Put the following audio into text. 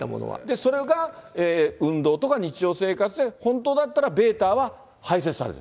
それが運動とか日常生活で本当だったらβは排泄される？